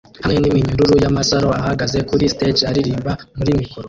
hamwe n'iminyururu y'amasaro ahagaze kuri stage aririmba muri mikoro